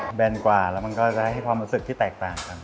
แบนกว่าแล้วมันก็จะให้ความรู้สึกที่แตกต่างกัน